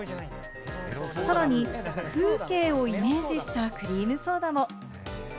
さらに風景をイメージしたクリームソーダも。